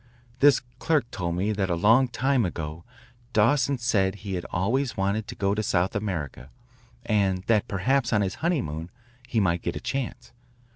This clerk told me that a long=20time ago Dawson said he had always wanted to go to South America and that perhaps on his honeymoon he might get a chance.